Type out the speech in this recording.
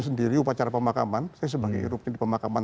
sendiri upacara pemakaman saya sebagai rupin di pemakaman